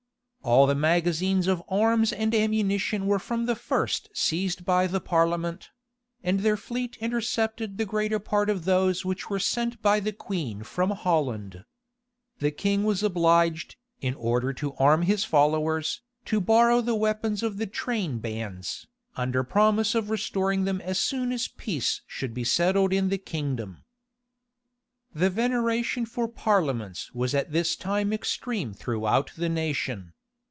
All the magazines of arms and amunition were from the first seized by the parliament; and their fleet intercepted the greater part of those which were sent by the queen from Holland. The king was obliged, in order to arm his followers, to borrow the weapons of the train bands, under promise of restoring them as soon as peace should be settled in the kingdom. The veneration for parliaments was at this time extreme throughout the nation.